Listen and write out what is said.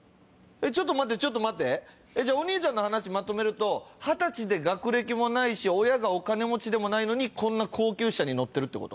ちょっと待ってちょっと待ってお兄さんの話まとめると二十歳で学歴もないし親がお金持ちでもないのにこんな高級車に乗ってる？